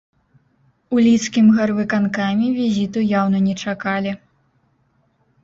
У лідскім гарвыканкаме візіту яўна не чакалі.